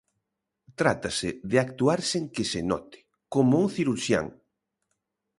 Trátase de actuar sen que se note, como un cirurxián.